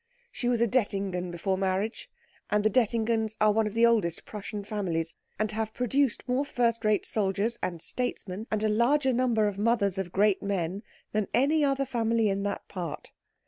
She was a Dettingen before her marriage, and the Dettingens are one of the oldest Prussian families, and have produced more first rate soldiers and statesmen and a larger number of mothers of great men than any other family in that part.